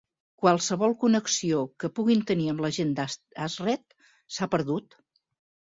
Qualsevol connexió que puguin tenir amb la gent d'Ashret s'ha perdut.